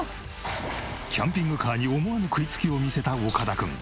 キャンピングカーに思わぬ食いつきを見せた岡田君。